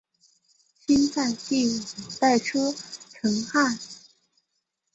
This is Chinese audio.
清朝第五代车臣汗。